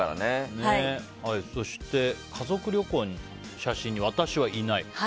そして家族旅行の写真に私はいない。